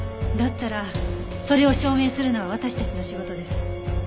だったらそれを証明するのは私たちの仕事です。